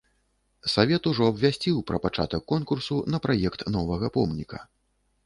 Савет ужо абвясціў пра пачатак конкурсу на праект новага помніка.